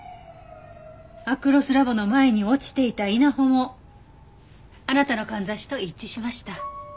アクロスラボの前に落ちていた稲穂もあなたのかんざしと一致しました。